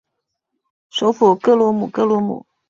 首府戈罗姆戈罗姆。